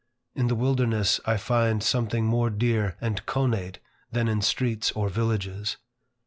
In the wilderness, I find something more dear and connate than in streets or villages.